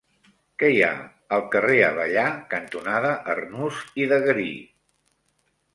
Què hi ha al carrer Avellà cantonada Arnús i de Garí?